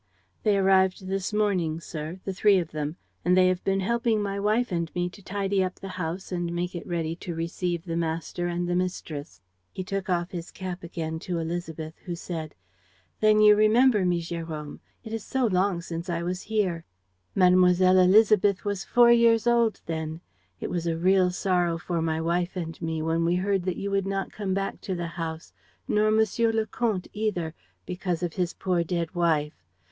"They arrived this morning, sir, the three of them; and they have been helping my wife and me to tidy up the house and make it ready to receive the master and the mistress." He took off his cap again to Élisabeth, who said: "Then you remember me, Jérôme? It is so long since I was here!" "Mlle. Élisabeth was four years old then. It was a real sorrow for my wife and me when we heard that you would not come back to the house ... nor Monsieur le Comte either, because of his poor dead wife.